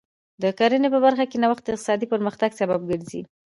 د کرنې په برخه کې نوښت د اقتصادي پرمختګ سبب ګرځي.